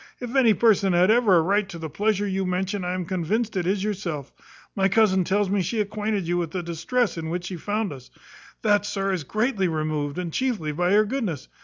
If any person had ever a right to the pleasure you mention, I am convinced it is yourself. My cousin tells me she acquainted you with the distress in which she found us. That, sir, is all greatly removed, and chiefly by your goodness.